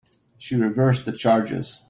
She reversed the charges.